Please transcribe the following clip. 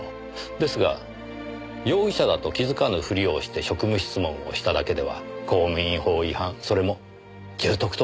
ですが容疑者だと気づかぬ振りをして職務質問をしただけでは公務員法違反それも重篤とは言えません。